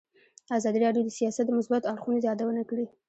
ازادي راډیو د سیاست د مثبتو اړخونو یادونه کړې.